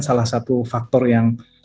salah satu faktor yang